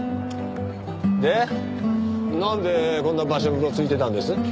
でなんでこんな場所うろついてたんです？